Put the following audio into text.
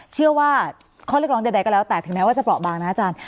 เชื่อว่าข้อเรียกร้องใดก็แล้วแต่ถึงแม้ว่าจะเปราะบางนะอาจารย์